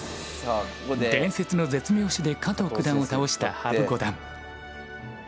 伝説の絶妙手で加藤九段を倒した羽生五段。